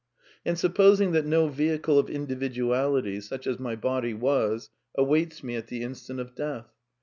And supposing that no vehicle of individuality, such as my body was, awaits me at the instant of death.